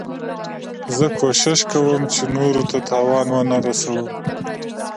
زه کوشش کوم، چي نورو ته تاوان و نه رسوم.